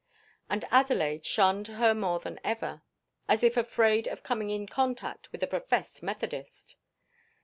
And Adelaide shunned her more than ever, as if afraid of coming in contact with a professed Methodist.